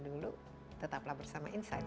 dulu tetaplah bersama insight